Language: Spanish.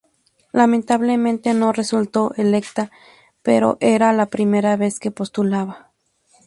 Lamentablemente no resultó electa, pero era la primera vez que postulaba.